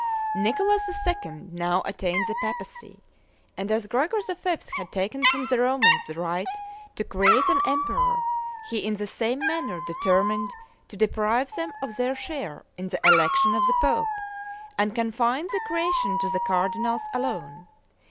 Nicholas II. now attained the papacy; and as Gregory V. had taken from the Romans the right to create an emperor, he in the same manner determined to deprive them of their share in the election of the pope; and confined the creation to the cardinals alone.